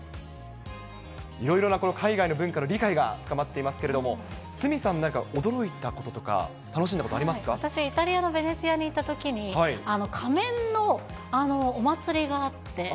いろいろな海外の文化の理解が深まっていますけれども、鷲見さん、なんか驚いたこととか、私、イタリアのベネチアに行ったときに、仮面のお祭りがあって。